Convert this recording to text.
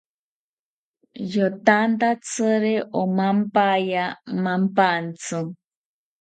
Yotantatziri omampaya mampantzi